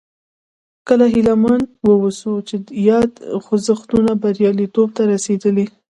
کله هیله مند واوسو چې یاد خوځښتونه بریالیتوب ته رسېدلي.